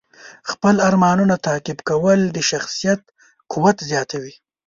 خپل ارمانونه تعقیب کول د شخصیت قوت زیاتوي.